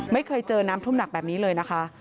ไม่เคยเจอน้ำทุ่มหนักแบบนี้เลยนะคะ